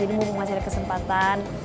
jadi mau kasih kesempatan